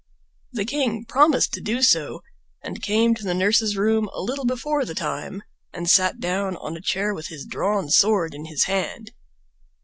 The king promised to do so, and came to the nurse's room a little before the time and sat down on a chair with his drawn sword in his hand.